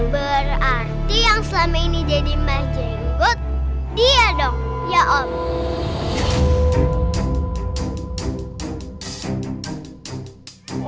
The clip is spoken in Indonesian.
berarti yang selama ini jadi mbah jenggot dia dong ya om